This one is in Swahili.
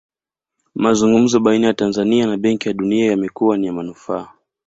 Mazungumzo baina ya Tanzania na benki ya dunia yamekuwa ni ya manufaa